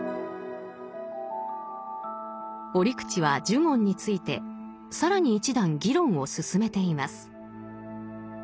折口は呪言について更に一段議論を進めています。